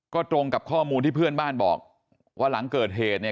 ก็ตรงกับข้อมูลที่เพื่อนบ้านบอกว่าหลังเกิดเหตุเนี่ย